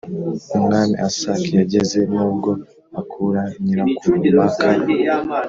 Umwami asak yageze n ubwo akura nyirakuru maka